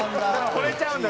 ほれちゃうんだ